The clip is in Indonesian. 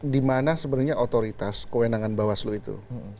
di mana sebenarnya otoritas kewenangan mbak waslu itu